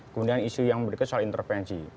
kemudian isu yang berikutnya soal intervensi